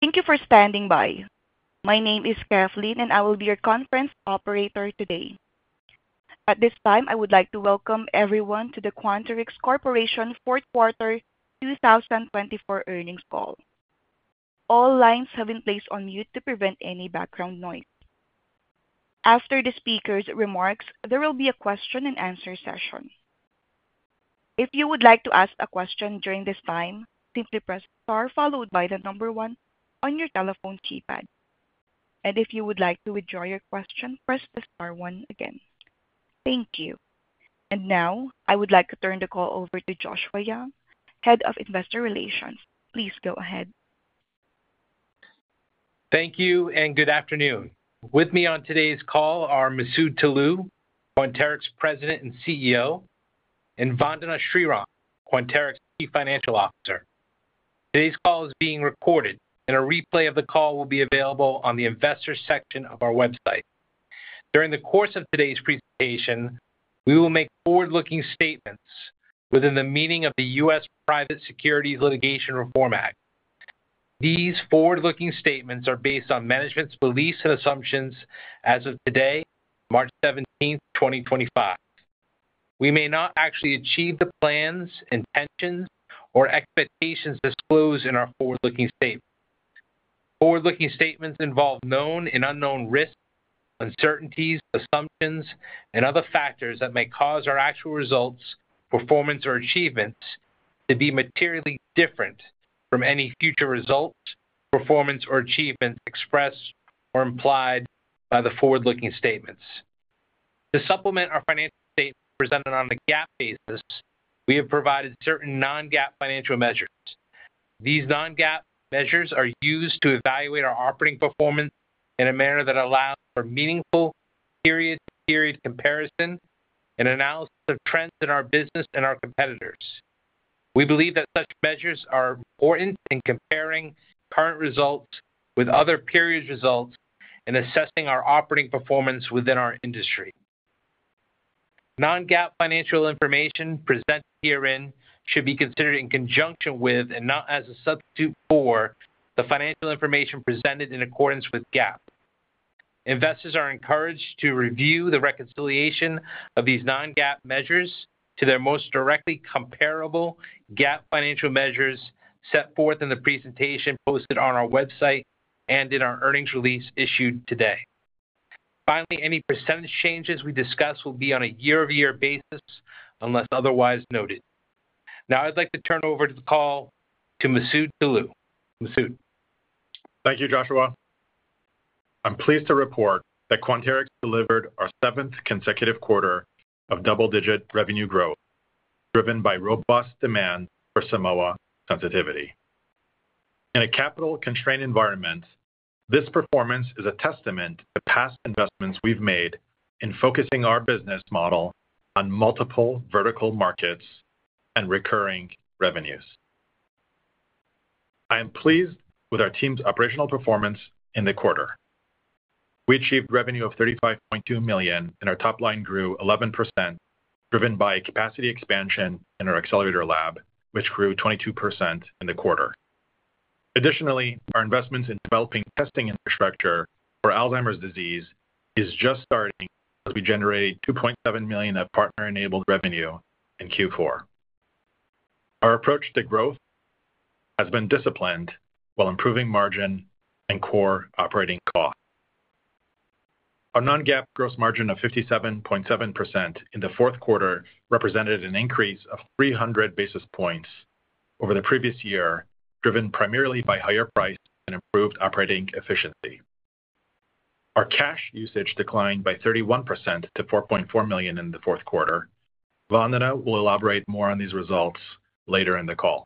Thank you for standing by. My name is Kathleen, and I will be your conference operator today. At this time, I would like to welcome everyone to the Quanterix Corporation Fourth Quarter 2024 earnings call. All lines have been placed on mute to prevent any background noise. After the speaker's remarks, there will be a question-and-answer session. If you would like to ask a question during this time, simply press star followed by the number one on your telephone keypad. If you would like to withdraw your question, press the star one again. Thank you. I would like to turn the call over to Joshua Young, Head of Investor Relations. Please go ahead. Thank you, and good afternoon. With me on today's call are Masoud Toloue, Quanterix President and CEO, and Vandana Sriram, Quanterix Chief Financial Officer. Today's call is being recorded, and a replay of the call will be available on the investor section of our website. During the course of today's presentation, we will make forward-looking statements within the meaning of the U.S. Private Securities Litigation Reform Act. These forward-looking statements are based on management's beliefs and assumptions as of today, March 17, 2025. We may not actually achieve the plans, intentions, or expectations disclosed in our forward-looking statements. Forward-looking statements involve known and unknown risks, uncertainties, assumptions, and other factors that may cause our actual results, performance, or achievements to be materially different from any future results, performance, or achievements expressed or implied by the forward-looking statements. To supplement our financial statements presented on a GAAP basis, we have provided certain non-GAAP financial measures. These non-GAAP measures are used to evaluate our operating performance in a manner that allows for meaningful period-to-period comparison and analysis of trends in our business and our competitors. We believe that such measures are important in comparing current results with other period results and assessing our operating performance within our industry. Non-GAAP financial information presented herein should be considered in conjunction with and not as a substitute for the financial information presented in accordance with GAAP. Investors are encouraged to review the reconciliation of these non-GAAP measures to their most directly comparable GAAP financial measures set forth in the presentation posted on our website and in our earnings release issued today. Finally, any percentage changes we discuss will be on a year-over-year basis unless otherwise noted. Now, I'd like to turn over the call to Masoud Toloue. Masoud. Thank you, Joshua. I'm pleased to report that Quanterix delivered our seventh consecutive quarter of double-digit revenue growth, driven by robust demand for Simoa sensitivity. In a capital-constrained environment, this performance is a testament to past investments we've made in focusing our business model on multiple vertical markets and recurring revenues. I am pleased with our team's operational performance in the quarter. We achieved revenue of $35.2 million, and our top line grew 11%, driven by capacity expansion in our Accelerator Lab, which grew 22% in the quarter. Additionally, our investments in developing testing infrastructure for Alzheimer's disease are just starting as we generate $2.7 million of partner-enabled revenue in Q4. Our approach to growth has been disciplined while improving margin and core operating costs. Our non-GAAP gross margin of 57.7% in the fourth quarter represented an increase of 300 basis points over the previous year, driven primarily by higher prices and improved operating efficiency. Our cash usage declined by 31% to $4.4 million in the fourth quarter. Vandana will elaborate more on these results later in the call.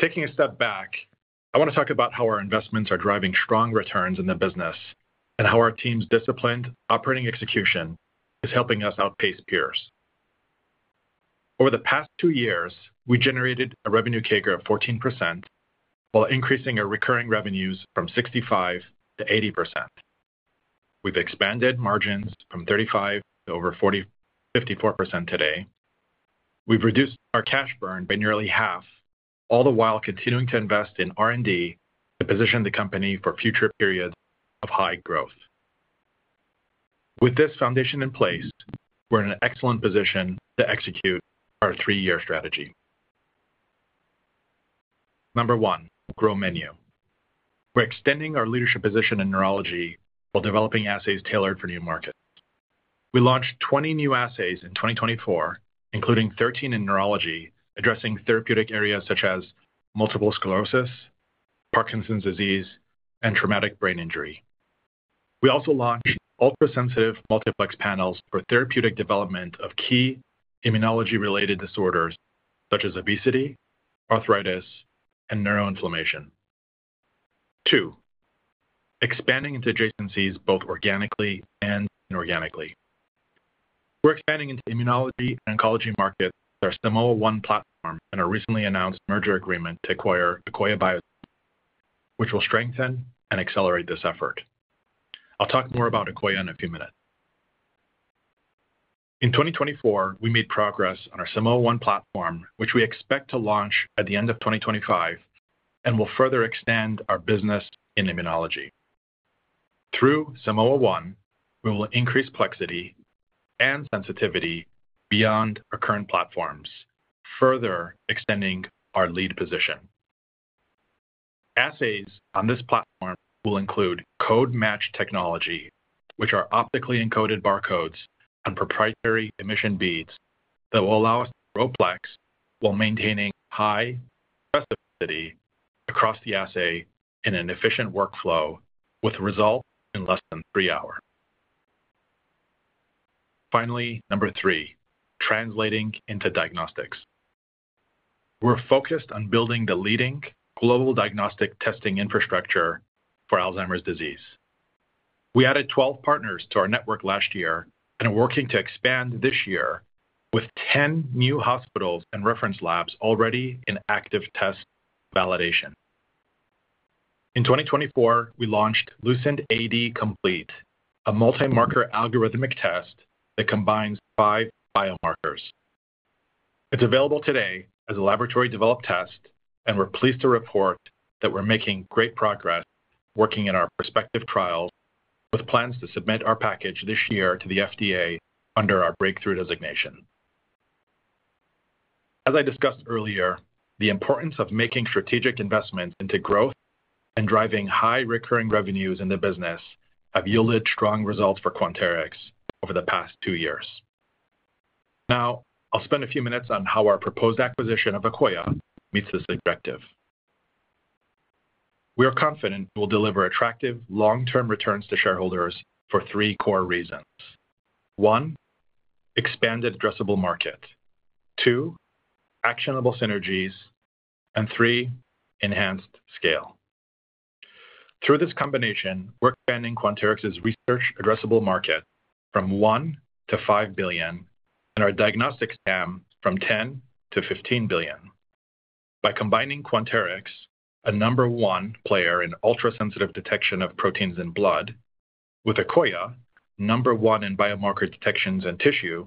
Taking a step back, I want to talk about how our investments are driving strong returns in the business and how our team's disciplined operating execution is helping us outpace peers. Over the past two years, we generated a revenue CAGR of 14% while increasing our recurring revenues from 65% to 80%. We've expanded margins from 35% to over 54% today. We've reduced our cash burn by nearly half, all the while continuing to invest in R&D to position the company for future periods of high growth. With this foundation in place, we're in an excellent position to execute our three-year strategy. Number one, grow menu. We're extending our leadership position in neurology while developing assays tailored for new markets. We launched 20 new assays in 2024, including 13 in neurology, addressing therapeutic areas such as multiple sclerosis, Parkinson's disease, and traumatic brain injury. We also launched ultrasensitive multiplex panels for therapeutic development of key immunology-related disorders such as obesity, arthritis, and neuroinflammation. Two, expanding into adjacencies both organically and inorganically. We're expanding into immunology and oncology markets with our Simoa One platform and our recently announced merger agreement to acquire Akoya Biosciences, which will strengthen and accelerate this effort. I'll talk more about Akoya in a few minutes. In 2024, we made progress on our Simoa One platform, which we expect to launch at the end of 2025 and will further extend our business in immunology. Through Simoa One, we will increase plexity and sensitivity beyond our current platforms, further extending our lead position. Assays on this platform will include code-match technology, which are optically encoded barcodes on proprietary Emission beads that will allow us to grow plex while maintaining high specificity across the assay in an efficient workflow with results in less than three hours. Finally, number three, translating into diagnostics. We're focused on building the leading global diagnostic testing infrastructure for Alzheimer's disease. We added 12 partners to our network last year and are working to expand this year with 10 new hospitals and reference labs already in active test validation. In 2024, we launched LucentAD Complete, a multi-marker algorithmic test that combines five biomarkers. It's available today as a laboratory-developed test, and we're pleased to report that we're making great progress working in our prospective trials with plans to submit our package this year to the FDA under our breakthrough designation. As I discussed earlier, the importance of making strategic investments into growth and driving high recurring revenues in the business have yielded strong results for Quanterix over the past two years. Now, I'll spend a few minutes on how our proposed acquisition of Akoya meets this objective. We are confident we'll deliver attractive long-term returns to shareholders for three core reasons: one, expanded addressable market; two, actionable synergies; and three, enhanced scale. Through this combination, we're expanding Quanterix's research addressable market from $1 billion-$5 billion and our diagnostic SAM from $10 billion-$15 billion. By combining Quanterix, a number one player in ultrasensitive detection of proteins in blood, with Akoya, number one in biomarker detections in tissue,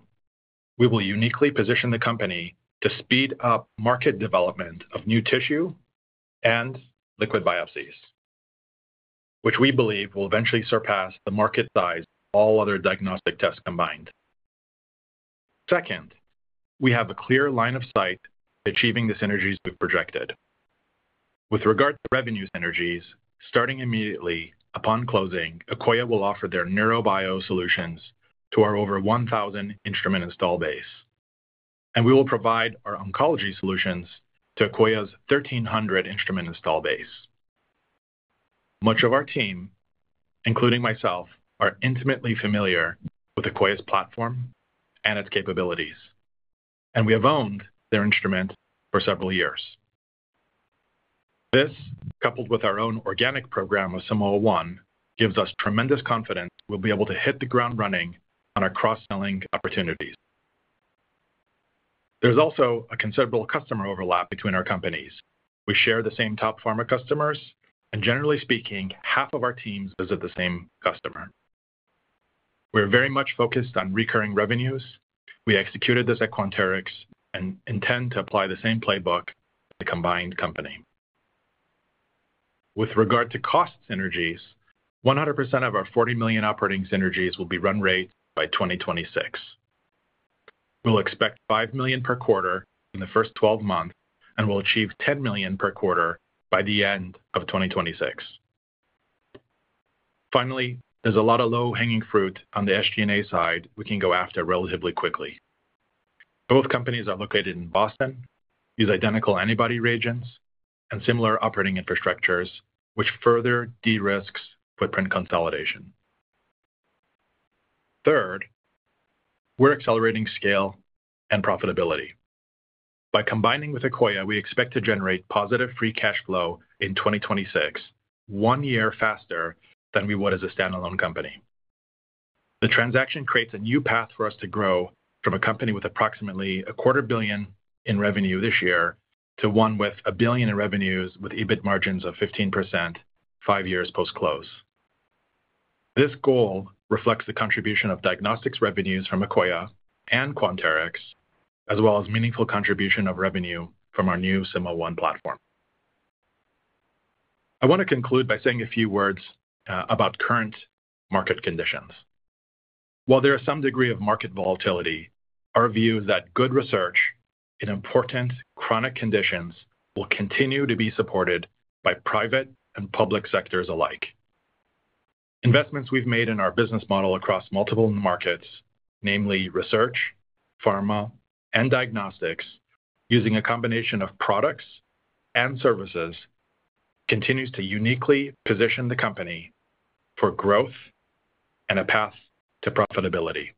we will uniquely position the company to speed up market development of new tissue and liquid biopsies, which we believe will eventually surpass the market size of all other diagnostic tests combined. Second, we have a clear line of sight to achieving the synergies we've projected. With regard to revenue synergies, starting immediately upon closing, Akoya will offer their neurobio solutions to our over 1,000 instrument install base, and we will provide our oncology solutions to Akoya's 1,300 instrument install base. Much of our team, including myself, are intimately familiar with Akoya's platform and its capabilities, and we have owned their instrument for several years. This, coupled with our own organic program with Simoa One, gives us tremendous confidence we'll be able to hit the ground running on our cross-selling opportunities. There's also a considerable customer overlap between our companies. We share the same top pharma customers, and generally speaking, half of our teams visit the same customer. We're very much focused on recurring revenues. We executed this at Quanterix and intend to apply the same playbook to the combined company. With regard to cost synergies, 100% of our $40 million operating synergies will be run rate by 2026. We'll expect $5 million per quarter in the first 12 months, and we'll achieve $10 million per quarter by the end of 2026. Finally, there's a lot of low-hanging fruit on the SG&A side we can go after relatively quickly. Both companies are located in Boston, use identical antibody regions and similar operating infrastructures, which further de-risk footprint consolidation. Third, we're accelerating scale and profitability. By combining with Akoya, we expect to generate positive free cash flow in 2026, one year faster than we would as a standalone company. The transaction creates a new path for us to grow from a company with approximately a quarter billion in revenue this year to one with a billion in revenues with EBIT margins of 15% five years post-close. This goal reflects the contribution of diagnostics revenues from Akoya and Quanterix, as well as meaningful contribution of revenue from our new Simoa One platform. I want to conclude by saying a few words about current market conditions. While there is some degree of market volatility, our view is that good research in important chronic conditions will continue to be supported by private and public sectors alike. Investments we've made in our business model across multiple markets, namely research, pharma, and diagnostics, using a combination of products and services, continues to uniquely position the company for growth and a path to profitability,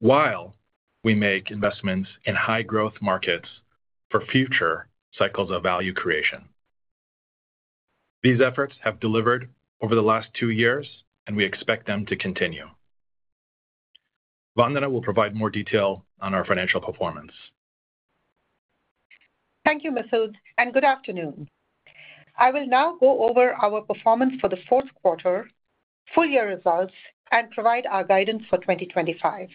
while we make investments in high-growth markets for future cycles of value creation. These efforts have delivered over the last two years, and we expect them to continue. Vandana will provide more detail on our financial performance. Thank you, Masoud, and good afternoon. I will now go over our performance for the fourth quarter, full-year results, and provide our guidance for 2025.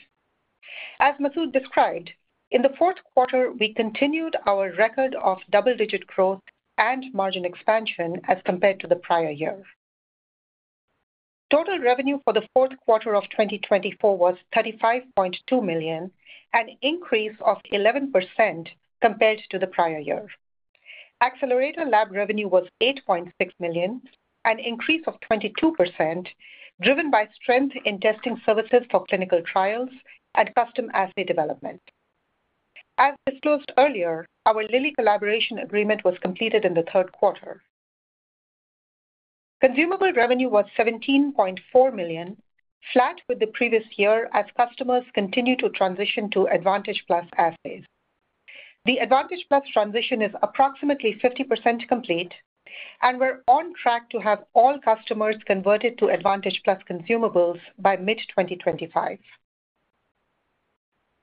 As Masoud described, in the fourth quarter, we continued our record of double-digit growth and margin expansion as compared to the prior year. Total revenue for the fourth quarter of 2024 was $35.2 million, an increase of 11% compared to the prior year. Accelerator lab revenue was $8.6 million, an increase of 22%, driven by strength in testing services for clinical trials and custom assay development. As disclosed earlier, our Lilly collaboration agreement was completed in the third quarter. Consumable revenue was $17.4 million, flat with the previous year as customers continue to transition to Advantage Plus assays. The Advantage Plus transition is approximately 50% complete, and we're on track to have all customers converted to Advantage Plus consumables by mid-2025.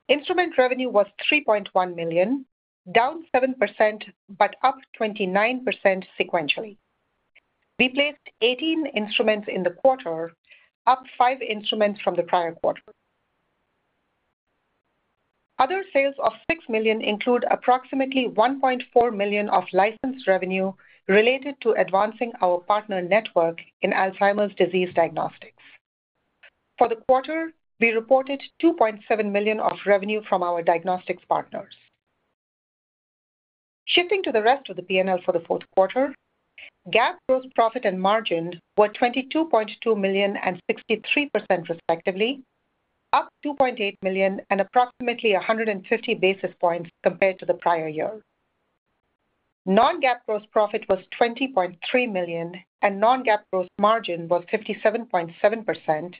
Instrument revenue was $3.1 million, down 7% but up 29% sequentially. We placed 18 instruments in the quarter, up 5 instruments from the prior quarter. Other sales of $6 million include approximately $1.4 million of license revenue related to advancing our partner network in Alzheimer's disease diagnostics. For the quarter, we reported $2.7 million of revenue from our diagnostics partners. Shifting to the rest of the P&L for the fourth quarter, GAAP gross profit and margin were $22.2 million and 63% respectively, up $2.8 million and approximately 150 basis points compared to the prior year. Non-GAAP gross profit was $20.3 million, and non-GAAP gross margin was 57.7%,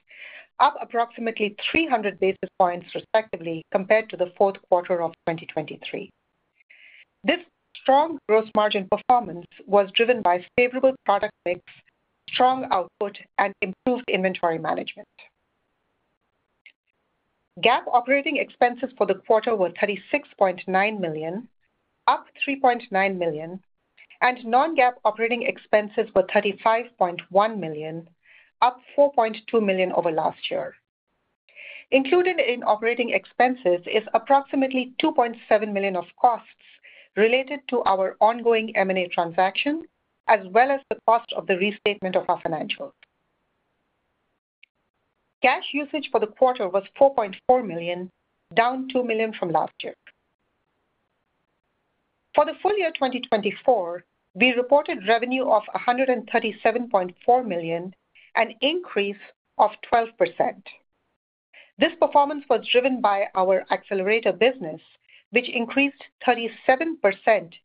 up approximately 300 basis points respectively compared to the fourth quarter of 2023. This strong gross margin performance was driven by favorable product mix, strong output, and improved inventory management. GAAP operating expenses for the quarter were $36.9 million, up $3.9 million, and non-GAAP operating expenses were $35.1 million, up $4.2 million over last year. Included in operating expenses is approximately $2.7 million of costs related to our ongoing M&A transaction, as well as the cost of the restatement of our financials. Cash usage for the quarter was $4.4 million, down $2 million from last year. For the full year 2024, we reported revenue of $137.4 million, an increase of 12%. This performance was driven by our accelerator business, which increased 37%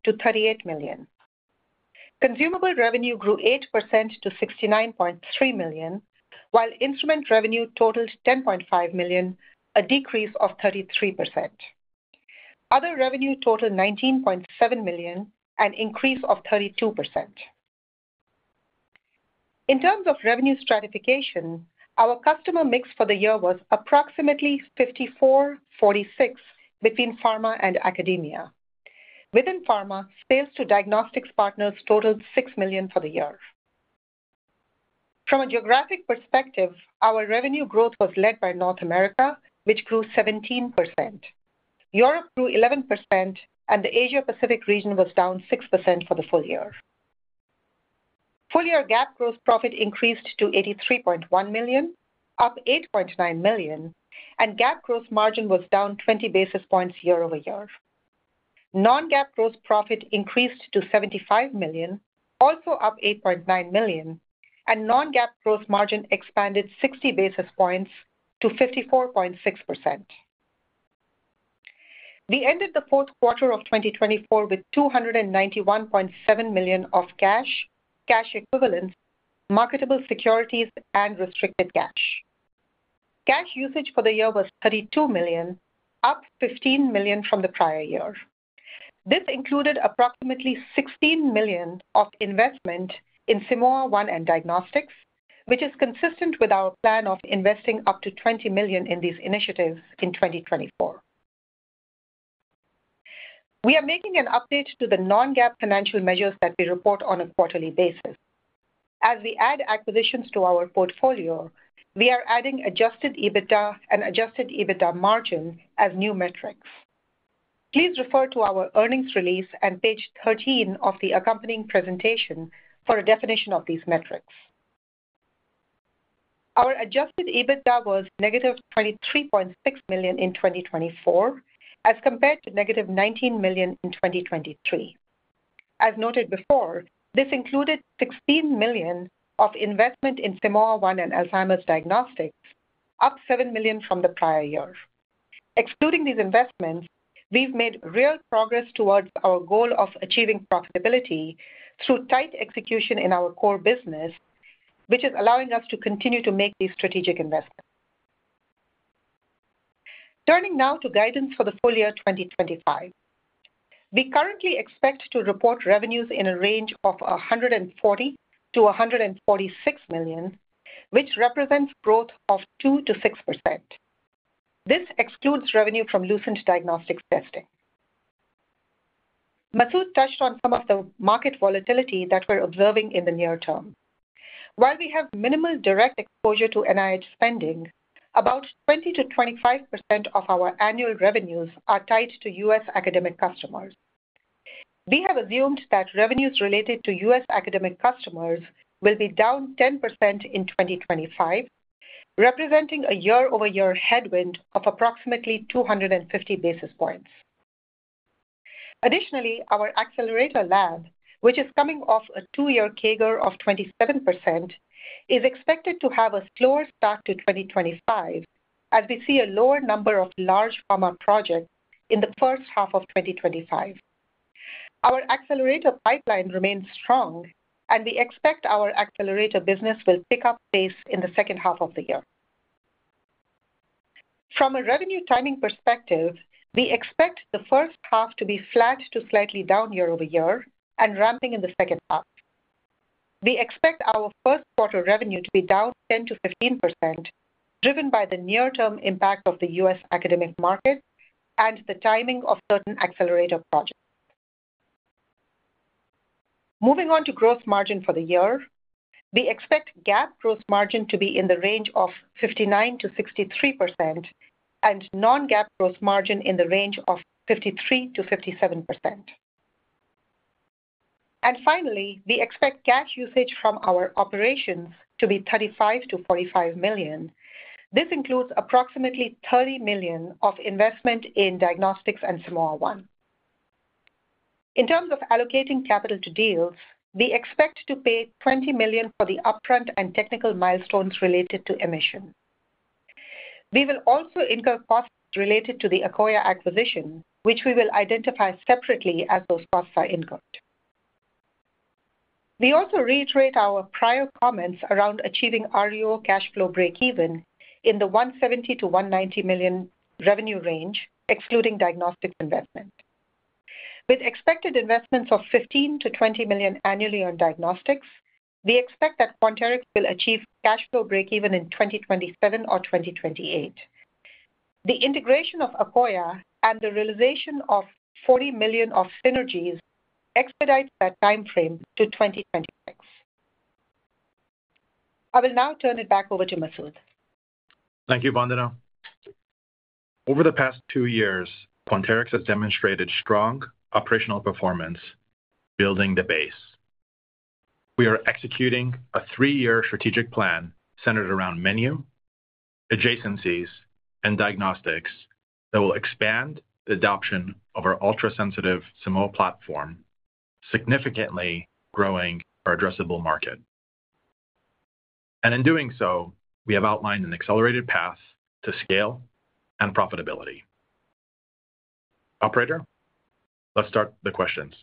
to $38 million. Consumable revenue grew 8% to $69.3 million, while instrument revenue totaled $10.5 million, a decrease of 33%. Other revenue totaled $19.7 million, an increase of 32%. In terms of revenue stratification, our customer mix for the year was approximately 54-46 between pharma and academia. Within pharma, sales to diagnostics partners totaled $6 million for the year. From a geographic perspective, our revenue growth was led by North America, which grew 17%. Europe grew 11%, and the Asia-Pacific region was down 6% for the full year. Full year GAAP gross profit increased to $83.1 million, up $8.9 million, and GAAP gross margin was down 20 basis points year-over-year. Non-GAAP gross profit increased to $75 million, also up $8.9 million, and non-GAAP gross margin expanded 60 basis points to 54.6%. We ended the fourth quarter of 2024 with $291.7 million of cash, cash equivalents, marketable securities, and restricted cash. Cash usage for the year was $32 million, up $15 million from the prior year. This included approximately $16 million of investment in Simoa One and diagnostics, which is consistent with our plan of investing up to $20 million in these initiatives in 2024. We are making an update to the non-GAAP financial measures that we report on a quarterly basis. As we add acquisitions to our portfolio, we are adding adjusted EBITDA and adjusted EBITDA margin as new metrics. Please refer to our earnings release and page 13 of the accompanying presentation for a definition of these metrics. Our adjusted EBITDA was negative $23.6 million in 2024, as compared to negative $19 million in 2023. As noted before, this included $16 million of investment in Simoa One and Alzheimer's diagnostics, up $7 million from the prior year. Excluding these investments, we've made real progress towards our goal of achieving profitability through tight execution in our core business, which is allowing us to continue to make these strategic investments. Turning now to guidance for the full year 2025, we currently expect to report revenues in a range of $140 million-$146 million, which represents growth of 2%-6%. This excludes revenue from Lucent AD Complete diagnostics testing. Masoud touched on some of the market volatility that we're observing in the near term. While we have minimal direct exposure to NIH spending, about 20%-25% of our annual revenues are tied to U.S. academic customers. We have assumed that revenues related to U.S. academic customers will be down 10% in 2025, representing a year-over-year headwind of approximately 250 basis points. Additionally, our Accelerator lab, which is coming off a two-year CAGR of 27%, is expected to have a slower start to 2025, as we see a lower number of large pharma projects in the first half of 2025. Our accelerator pipeline remains strong, and we expect our accelerator business will pick up pace in the second half of the year. From a revenue timing perspective, we expect the first half to be flat to slightly down year over-year and ramping in the second half. We expect our first quarter revenue to be down 10%-15%, driven by the near-term impact of the U.S. academic market and the timing of certain accelerator projects. Moving on to gross margin for the year, we expect GAAP gross margin to be in the range of 59%-63% and non-GAAP gross margin in the range of 53%-57%. Finally, we expect cash usage from our operations to be $35-$45 million. This includes approximately $30 million of investment in diagnostics and Simoa One. In terms of allocating capital to deals, we expect to pay $20 million for the upfront and technical milestones related to emission. We will also incur costs related to the Akoya acquisition, which we will identify separately as those costs are incurred. We also reiterate our prior comments around achieving RUO cash flow break-even in the $170 million-$190 million revenue range, excluding diagnostics investment. With expected investments of $15 million-$20 million annually on diagnostics, we expect that Quanterix will achieve cash flow break-even in 2027 or 2028. The integration of Akoya and the realization of $40 million of synergies expedites that timeframe to 2026. I will now turn it back over to Masoud. Thank you, Vandana. Over the past two years, Quanterix has demonstrated strong operational performance building the base. We are executing a three-year strategic plan centered around menu, adjacencies, and diagnostics that will expand the adoption of our ultra-sensitive Simoa platform, significantly growing our addressable market. In doing so, we have outlined an accelerated path to scale and profitability. Operator, let's start the questions.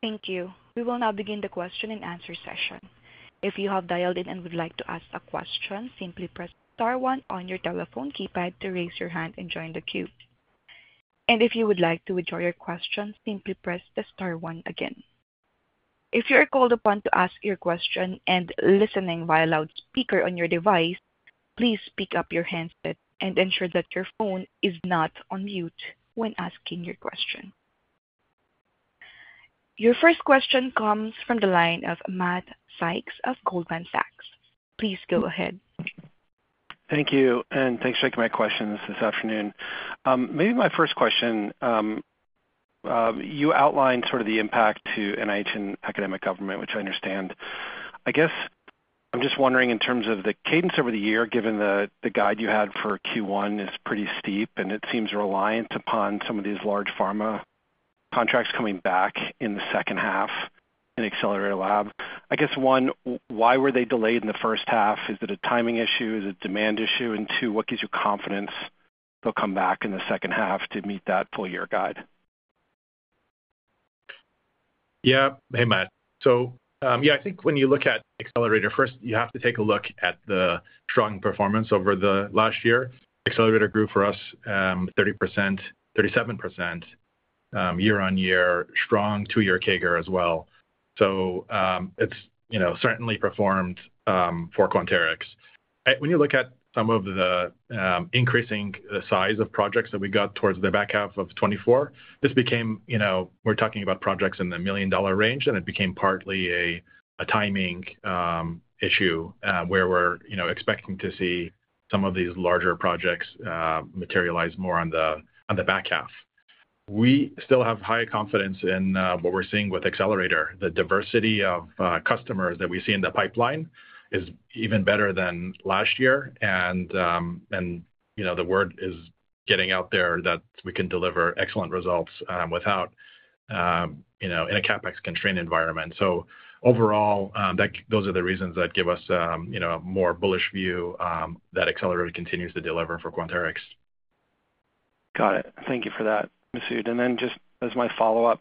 Thank you. We will now begin the question and answer session. If you have dialed in and would like to ask a question, simply press star one on your telephone keypad to raise your hand and join the queue. If you would like to withdraw your question, simply press the star one again. If you are called upon to ask your question and listening via loudspeaker on your device, please pick up your handset and ensure that your phone is not on mute when asking your question. Your first question comes from the line of Matt Sykes of Goldman Sachs. Please go ahead. Thank you, and thanks for taking my questions this afternoon. Maybe my first question, you outlined sort of the impact to NIH and academic government, which I understand. I guess I'm just wondering in terms of the cadence over the year, given the guide you had for Q1 is pretty steep, and it seems reliant upon some of these large pharma contracts coming back in the second half in accelerator lab. I guess, one, why were they delayed in the first half? Is it a timing issue? Is it a demand issue? And two, what gives you confidence they'll come back in the second half to meet that full-year guide? Yeah. Hey, Matt. Yeah, I think when you look at Accelerator, first, you have to take a look at the strong performance over the last year. Accelerator grew for us 30%, 37% year-on-year, strong two-year CAGR as well. It certainly performed for Quanterix. When you look at some of the increasing size of projects that we got towards the back half of 2024, this became, we are talking about projects in the million-dollar range, and it became partly a timing issue where we are expecting to see some of these larger projects materialize more on the back half. We still have high confidence in what we are seeing with Accelerator. The diversity of customers that we see in the pipeline is even better than last year. The word is getting out there that we can deliver excellent results in a CapEx-constrained environment. Overall, those are the reasons that give us a more bullish view that accelerator continues to deliver for Quanterix. Got it. Thank you for that, Masoud. Just as my follow-up,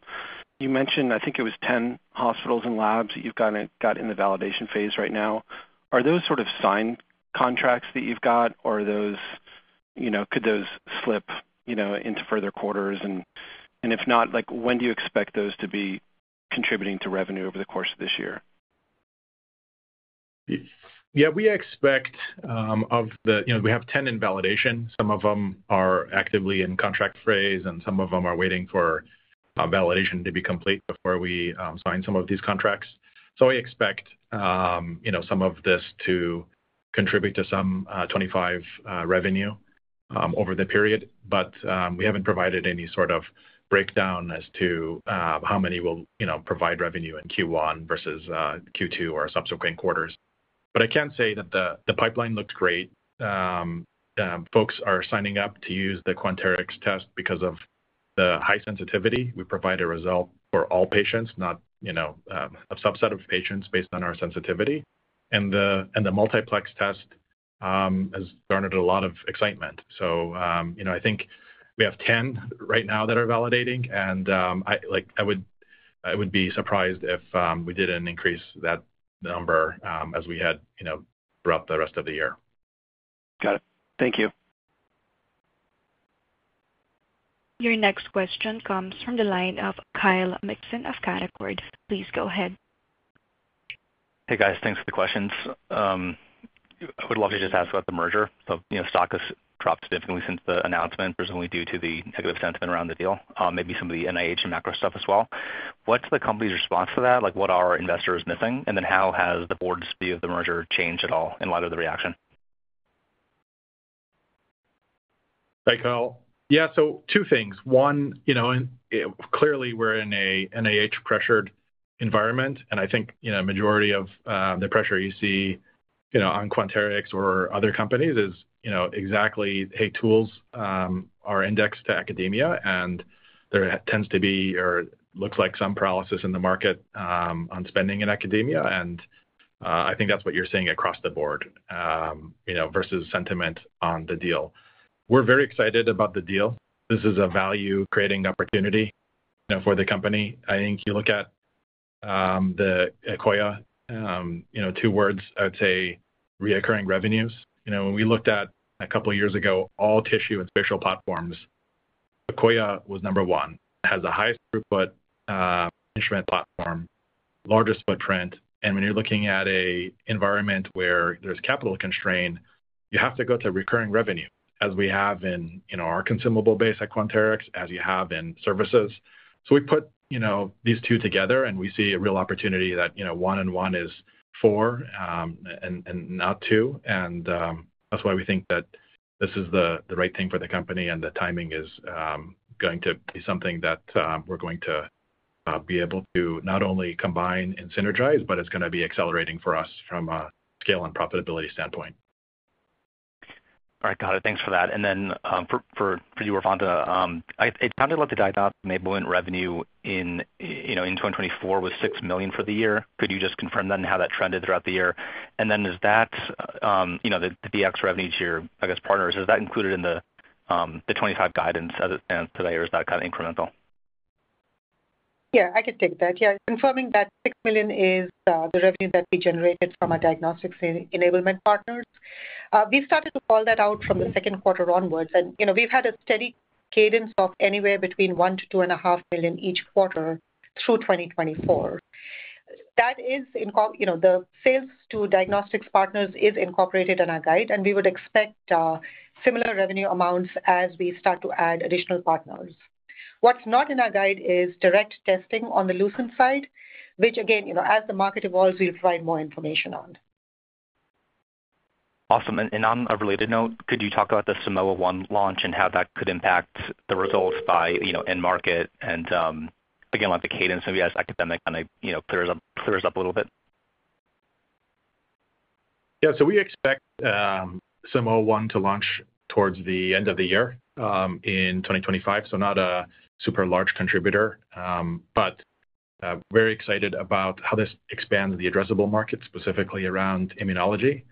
you mentioned, I think it was 10 hospitals and labs that you've got in the validation phase right now. Are those sort of signed contracts that you've got, or could those slip into further quarters? If not, when do you expect those to be contributing to revenue over the course of this year? Yeah, we expect of the we have 10 in validation. Some of them are actively in contract phase, and some of them are waiting for validation to be complete before we sign some of these contracts. I expect some of this to contribute to some $25 revenue over the period. We haven't provided any sort of breakdown as to how many will provide revenue in Q1 versus Q2 or subsequent quarters. I can say that the pipeline looks great. Folks are signing up to use the Quanterix test because of the high sensitivity. We provide a result for all patients, not a subset of patients based on our sensitivity. The multiplex test has garnered a lot of excitement. I think we have 10 right now that are validating. I would be surprised if we didn't increase that number as we had throughout the rest of the year. Got it. Thank you. Your next question comes from the line of Kyle Mikson of Canaccord. Please go ahead. Hey, guys. Thanks for the questions. I would love to just ask about the merger. Stock has dropped significantly since the announcement. Is it only due to the negative sentiment around the deal? Maybe some of the NIH and macro stuff as well. What's the company's response to that? What are investors missing? Then how has the board's view of the merger changed at all in light of the reaction? Hi, Kyle. Yeah, so two things. One, clearly, we're in an NIH-pressured environment. I think the majority of the pressure you see on Quanterix or other companies is exactly, "Hey, tools are indexed to academia." There tends to be or looks like some paralysis in the market on spending in academia. I think that's what you're seeing across the board versus sentiment on the deal. We're very excited about the deal. This is a value-creating opportunity for the company. I think you look at Akoya, two words, recurring revenues. When we looked at a couple of years ago, all tissue and spatial platforms, Akoya was number one. It has the highest throughput instrument platform, largest footprint. When you're looking at an environment where there's capital constraint, you have to go to recurring revenue, as we have in our consumable base at Quanterix, as you have in services. We put these two together, and we see a real opportunity that one and one is four and not two. That's why we think that this is the right thing for the company. The timing is going to be something that we're going to be able to not only combine and synergize, but it's going to be accelerating for us from a scale and profitability standpoint. All right, got it. Thanks for that. For you, Vandana, it sounded like the diagnostics and enablement revenue in 2024 was $6 million for the year. Could you just confirm that and how that trended throughout the year? Is that the DX revenues here, I guess, partners, is that included in the 2025 guidance as it stands today, or is that kind of incremental? Yeah, I could take that. Yeah, confirming that $6 million is the revenue that we generated from our diagnostics enablement partners. We've started to call that out from the second quarter onwards. We've had a steady cadence of anywhere between $1-$2.5 million each quarter through 2024. That is, the sales to diagnostics partners is incorporated in our guide. We would expect similar revenue amounts as we start to add additional partners. What's not in our guide is direct testing on the Lucent AD Complete side, which, again, as the market evolves, we'll provide more information on. Awesome. On a related note, could you talk about the Simoa One launch and how that could impact the results by end market and, again, the cadence maybe as academic kind of clears up a little bit? Yeah. We expect Simoa One to launch towards the end of the year in 2025. Not a super large contributor, but very excited about how this expands the addressable market, specifically around immunology.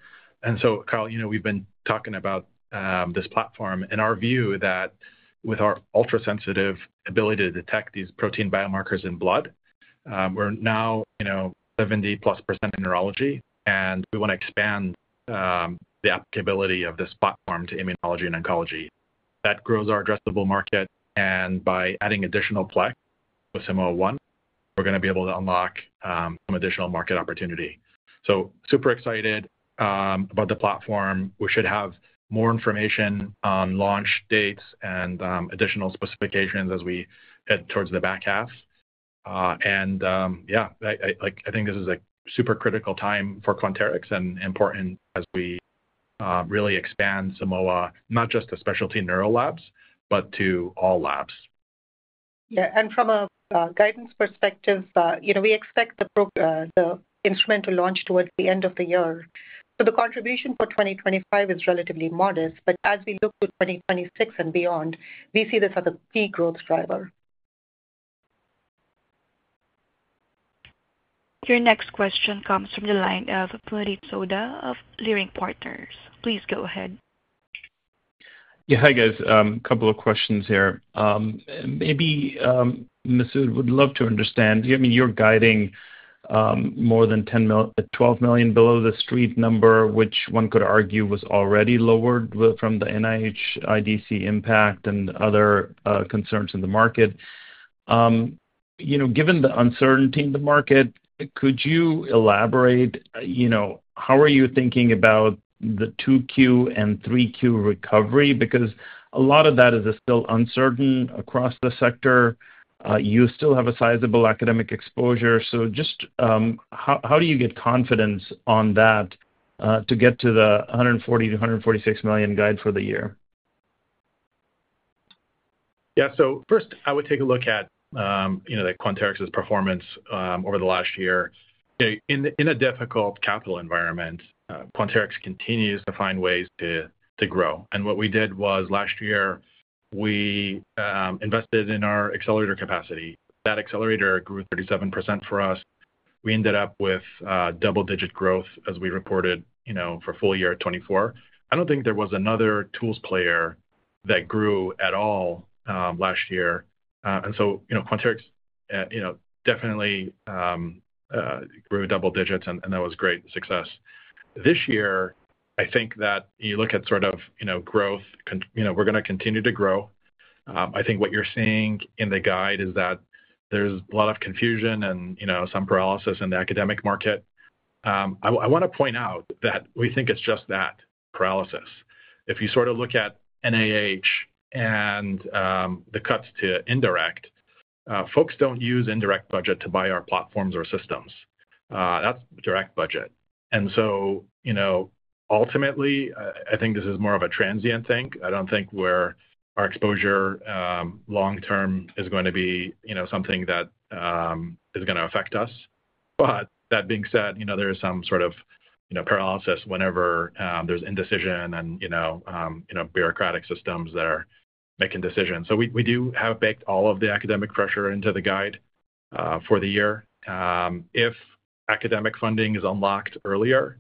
Kyle, we've been talking about this platform. In our view, with our ultra-sensitive ability to detect these protein biomarkers in blood, we're now 70+% in neurology. We want to expand the applicability of this platform to immunology and oncology. That grows our addressable market. By adding additional plex with Simoa One, we're going to be able to unlock some additional market opportunity. Super excited about the platform. We should have more information on launch dates and additional specifications as we head towards the back half. Yeah, I think this is a super critical time for Quanterix and important as we really expand Simoa, not just to specialty neuro labs, but to all labs. Yeah. From a guidance perspective, we expect the instrument to launch towards the end of the year. The contribution for 2025 is relatively modest. As we look to 2026 and beyond, we see this as a key growth driver. Your next question comes from the line of Puneet Souda of Leerink Partners. Please go ahead. Yeah. Hi, guys. A couple of questions here. Maybe Masoud would love to understand. I mean, you're guiding more than $12 million below the street number, which one could argue was already lowered from the NIH IDC impact and other concerns in the market. Given the uncertainty in the market, could you elaborate how are you thinking about the 2Q and 3Q recovery? Because a lot of that is still uncertain across the sector. You still have a sizable academic exposure. Just how do you get confidence on that to get to the $140-$146 million guide for the year? Yeah. First, I would take a look at Quanterix's performance over the last year. In a difficult capital environment, Quanterix continues to find ways to grow. What we did was last year, we invested in our accelerator capacity. That accelerator grew 37% for us. We ended up with double-digit growth as we reported for full year 2024. I do not think there was another tools player that grew at all last year. Quanterix definitely grew double digits, and that was great success. This year, I think that you look at sort of growth, we are going to continue to grow. I think what you are seeing in the guide is that there is a lot of confusion and some paralysis in the academic market. I want to point out that we think it is just that paralysis. If you sort of look at NIH and the cuts to indirect, folks do not use indirect budget to buy our platforms or systems. That is direct budget. Ultimately, I think this is more of a transient thing. I do not think where our exposure long-term is going to be something that is going to affect us. That being said, there is some sort of paralysis whenever there is indecision and bureaucratic systems that are making decisions. We do have baked all of the academic pressure into the guide for the year. If academic funding is unlocked earlier,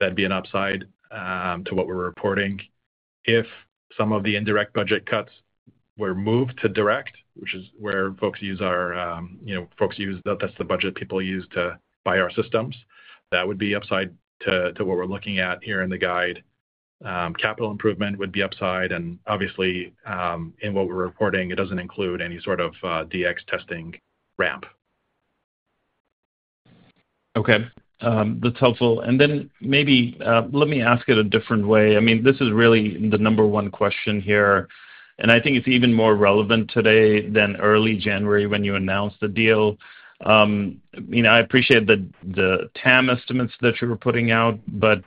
that would be an upside to what we are reporting. If some of the indirect budget cuts were moved to direct, which is where folks use—that is the budget people use to buy our systems—that would be upside to what we are looking at here in the guide. Capital improvement would be upside. Obviously, in what we're reporting, it doesn't include any sort of DX testing ramp. Okay. That's helpful. Maybe let me ask it a different way. I mean, this is really the number one question here. I think it's even more relevant today than early January when you announced the deal. I appreciate the TAM estimates that you were putting out, but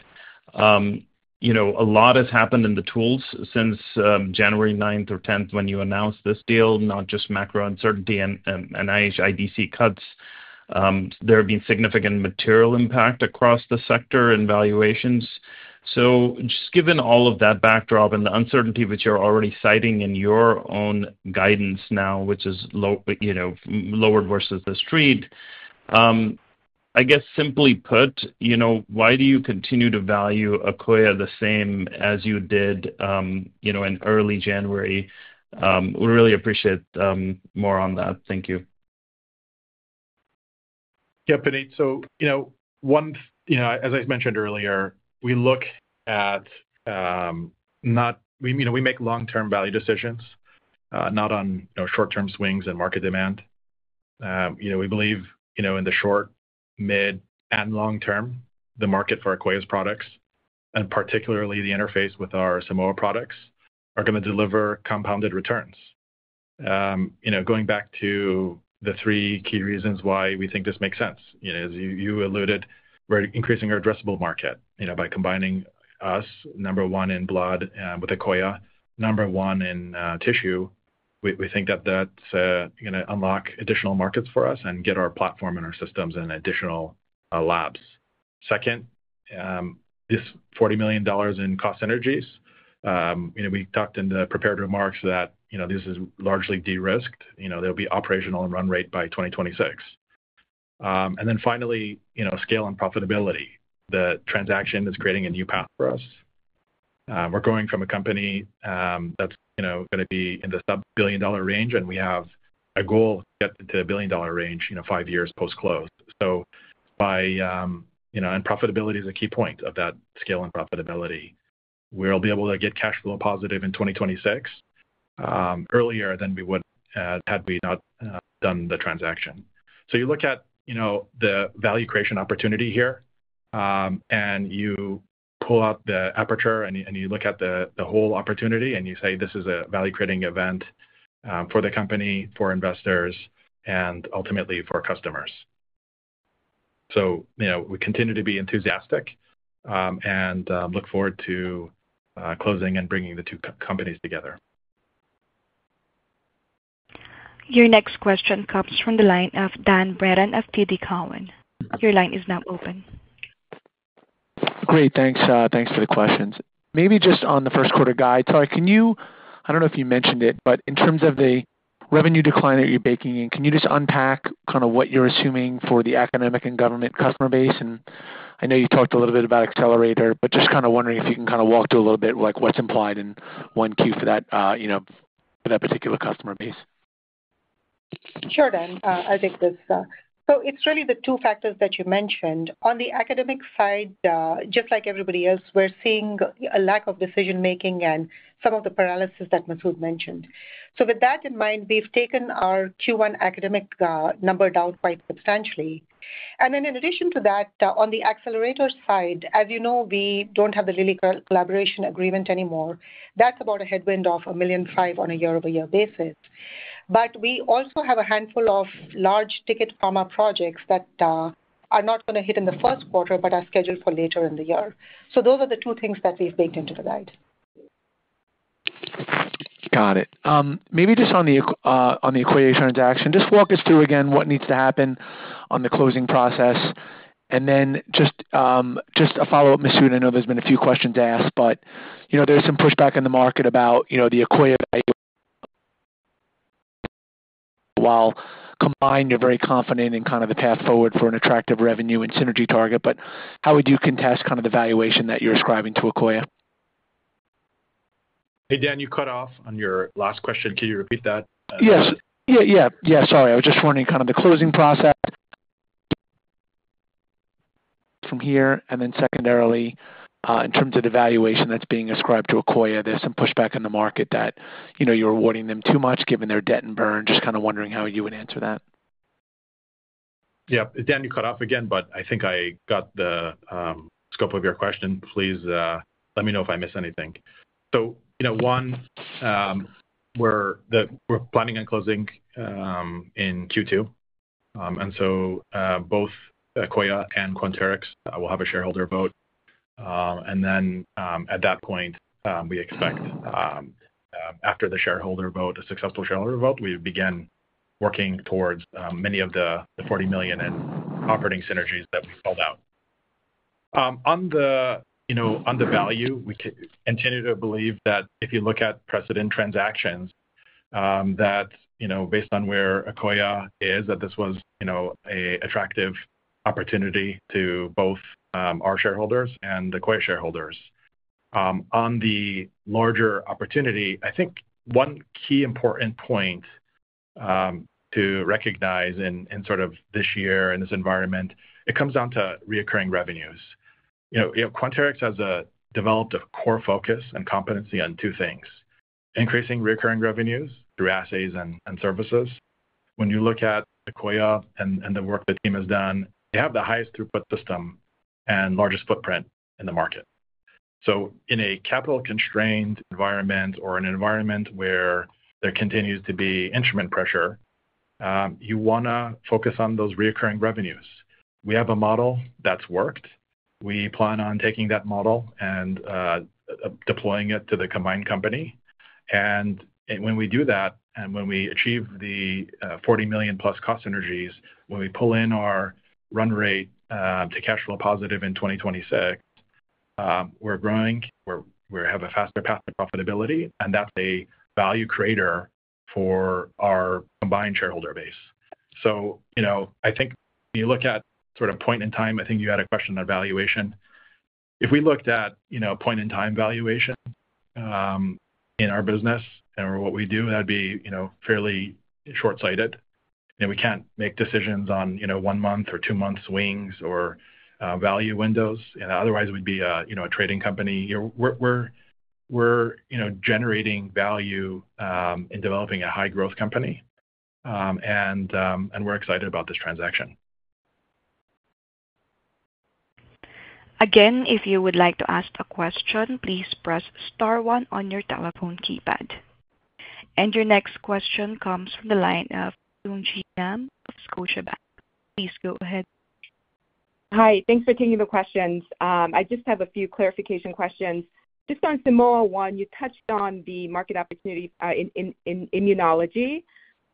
a lot has happened in the tools since January 9 or 10 when you announced this deal, not just macro uncertainty and NIH IDC cuts. There have been significant material impact across the sector in valuations. Just given all of that backdrop and the uncertainty which you're already citing in your own guidance now, which is lowered versus the street, I guess simply put, why do you continue to value Akoya the same as you did in early January? We really appreciate more on that. Thank you. Yeah, Puneet. As I mentioned earlier, we look at not we make long-term value decisions, not on short-term swings in market demand. We believe in the short, mid, and long term, the market for Akoya's products, and particularly the interface with our Simoa products, are going to deliver compounded returns. Going back to the three key reasons why we think this makes sense. As you alluded, we're increasing our addressable market by combining us, number one in blood, with Akoya, number one in tissue. We think that that's going to unlock additional markets for us and get our platform and our systems in additional labs. Second, this $40 million in cost synergies. We talked in the prepared remarks that this is largely de-risked. They'll be operational and run rate by 2026. Finally, scale and profitability. The transaction is creating a new path for us. We're going from a company that's going to be in the sub-billion-dollar range, and we have a goal to get to the billion-dollar range five years post-close. Profitability is a key point of that scale and profitability. We'll be able to get cash flow positive in 2026 earlier than we would have had we not done the transaction. You look at the value creation opportunity here, and you pull out the aperture, and you look at the whole opportunity, and you say, "This is a value-creating event for the company, for investors, and ultimately for customers." We continue to be enthusiastic and look forward to closing and bringing the two companies together. Your next question comes from the line of Dan Brennan of TD Cowen. Your line is now open. Great. Thanks. Thanks for the questions. Maybe just on the first-quarter guide, sorry, can you—I don't know if you mentioned it, but in terms of the revenue decline that you're baking in, can you just unpack kind of what you're assuming for the academic and government customer base? I know you talked a little bit about accelerator, but just kind of wondering if you can kind of walk through a little bit what's implied in one Q for that particular customer base. Sure, Dan. I'll take this. It is really the two factors that you mentioned. On the academic side, just like everybody else, we're seeing a lack of decision-making and some of the paralysis that Masoud mentioned. With that in mind, we've taken our Q1 academic number down quite substantially. In addition to that, on the accelerator side, as you know, we don't have the Lilly Collaboration Agreement anymore. That's about a headwind of $1.5 million on a year-over-year basis. We also have a handful of large ticket pharma projects that are not going to hit in the first quarter but are scheduled for later in the year. Those are the two things that we've baked into the guide. Got it. Maybe just on the Akoya transaction, just walk us through again what needs to happen on the closing process. Then just a follow-up, Masoud, I know there's been a few questions asked, but there's some pushback in the market about the Akoya value. While combined, you're very confident in kind of the path forward for an attractive revenue and synergy target. How would you contest kind of the valuation that you're ascribing to Akoya? Hey, Dan, you cut off on your last question. Can you repeat that? Yes. Yeah, yeah. Sorry. I was just wondering kind of the closing process from here. Then secondarily, in terms of the valuation that's being ascribed to Akoya, there's some pushback in the market that you're awarding them too much given their debt and burn. Just kind of wondering how you would answer that. Yeah. Dan, you cut off again, but I think I got the scope of your question. Please let me know if I missed anything. One, we're planning on closing in Q2. Both Akoya and Quanterix will have a shareholder vote. At that point, we expect after the shareholder vote, a successful shareholder vote, we begin working towards many of the $40 million in operating synergies that we called out. On the value, we continue to believe that if you look at precedent transactions, that based on where Akoya is, that this was an attractive opportunity to both our shareholders and Akoya shareholders. On the larger opportunity, I think one key important point to recognize in sort of this year and this environment, it comes down to reoccurring revenues. Quanterix has developed a core focus and competency on two things: increasing recurring revenues through assays and services. When you look at Akoya and the work the team has done, they have the highest throughput system and largest footprint in the market. In a capital-constrained environment or an environment where there continues to be instrument pressure, you want to focus on those recurring revenues. We have a model that's worked. We plan on taking that model and deploying it to the combined company. When we do that and when we achieve the $40 million-plus cost synergies, when we pull in our run rate to cash flow positive in 2026, we're growing. We have a faster path to profitability. That's a value creator for our combined shareholder base. I think when you look at sort of point in time, I think you had a question on valuation. If we looked at point-in-time valuation in our business and what we do, that'd be fairly short-sighted. We can't make decisions on one-month or two-month swings or value windows. Otherwise, we'd be a trading company. We're generating value in developing a high-growth company. We're excited about this transaction. Again, if you would like to ask a question, please press star one on your telephone keypad. Your next question comes from the line of Sung Ji Nam of Scotiabank. Please go ahead. Hi. Thanks for taking the questions. I just have a few clarification questions. Just on Simoa One, you touched on the market opportunity in immunology.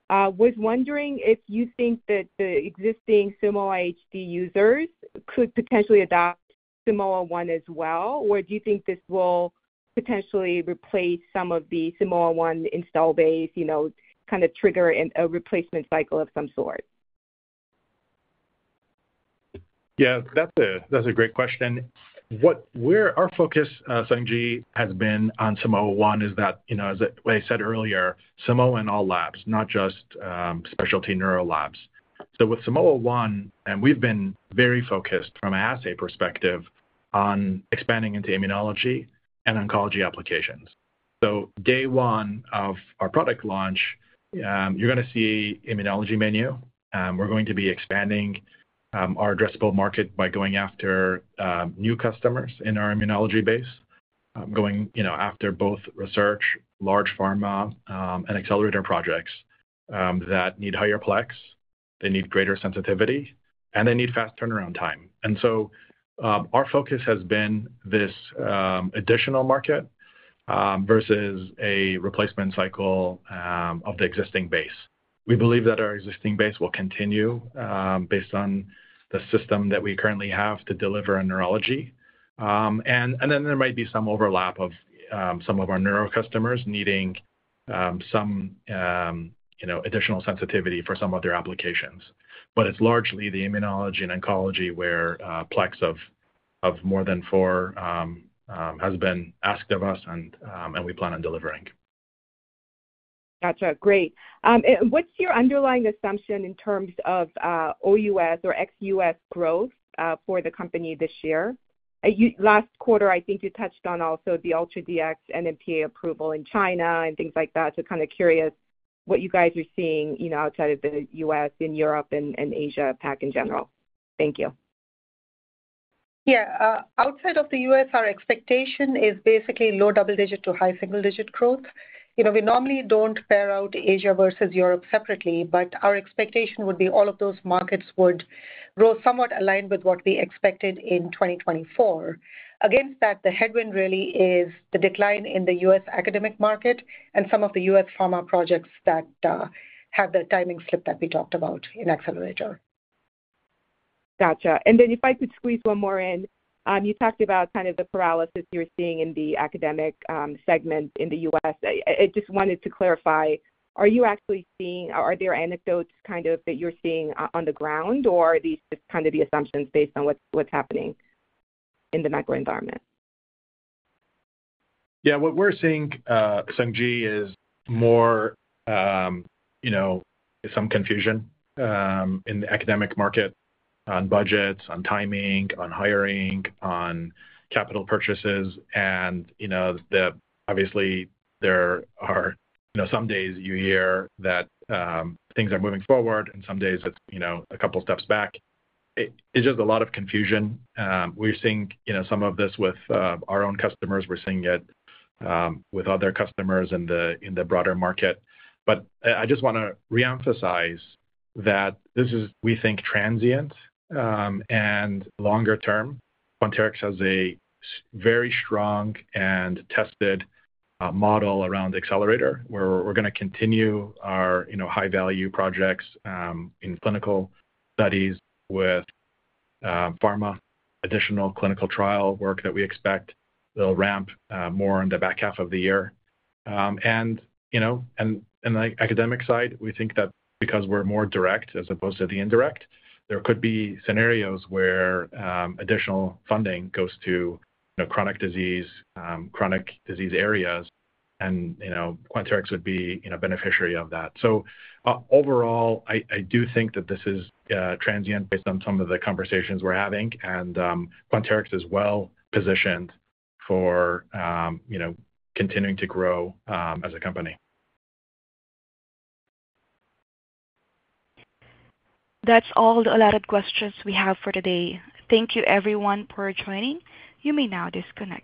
I was wondering if you think that the existing Simoa HD users could potentially adopt Simoa One as well, or do you think this will potentially replace some of the Simoa One install base, kind of trigger a replacement cycle of some sort? Yeah. That's a great question. Our focus, Sung Ji, has been on Simoa One is that, as I said earlier, Simoa and all labs, not just specialty neuro labs. With Simoa One, and we've been very focused from an assay perspective on expanding into immunology and oncology applications. Day one of our product launch, you're going to see immunology menu. We're going to be expanding our addressable market by going after new customers in our immunology base, going after both research, large pharma, and accelerator projects that need higher plex. They need greater sensitivity, and they need fast turnaround time. Our focus has been this additional market versus a replacement cycle of the existing base. We believe that our existing base will continue based on the system that we currently have to deliver on neurology. There might be some overlap of some of our neuro customers needing some additional sensitivity for some of their applications. It is largely the immunology and oncology where plex of more than four has been asked of us, and we plan on delivering. Gotcha. Great. What's your underlying assumption in terms of OUS or XUS growth for the company this year? Last quarter, I think you touched on also the Ultra DX and NMPA approval in China and things like that. Kind of curious what you guys are seeing outside of the U.S., in Europe, and Asia-Pacific in general. Thank you. Yeah. Outside of the U.S., our expectation is basically low double-digit to high single-digit growth. We normally don't pair out Asia versus Europe separately, but our expectation would be all of those markets would grow somewhat aligned with what we expected in 2024. Against that, the headwind really is the decline in the U.S. academic market and some of the U.S. pharma projects that have the timing slip that we talked about in accelerator. Gotcha. If I could squeeze one more in, you talked about kind of the paralysis you're seeing in the academic segment in the U.S. I just wanted to clarify. Are you actually seeing, are there anecdotes kind of that you're seeing on the ground, or are these just kind of the assumptions based on what's happening in the macro environment? Yeah. What we're seeing, Sung Ji, is more some confusion in the academic market on budgets, on timing, on hiring, on capital purchases. Obviously, there are some days you hear that things are moving forward, and some days it's a couple of steps back. It's just a lot of confusion. We're seeing some of this with our own customers. We're seeing it with other customers in the broader market. I just want to reemphasize that this is, we think, transient and longer-term. Quanterix has a very strong and tested model around accelerator where we're going to continue our high-value projects in clinical studies with pharma, additional clinical trial work that we expect will ramp more in the back half of the year. On the academic side, we think that because we're more direct as opposed to the indirect, there could be scenarios where additional funding goes to chronic disease, chronic disease areas, and Quanterix would be a beneficiary of that. Overall, I do think that this is transient based on some of the conversations we're having. Quanterix is well positioned for continuing to grow as a company. That's all the allotted questions we have for today. Thank you, everyone, for joining. You may now disconnect.